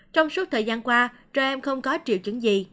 trong suốt thời gian qua jin không có triệu chứng gì